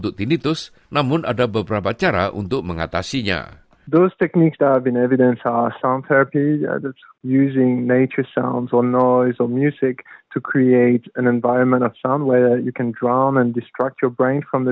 tinnitus menyebabkan kesusahan dan berdampak signifikan terhadap kehidupan